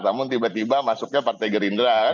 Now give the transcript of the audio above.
namun tiba tiba masuknya partai gerindra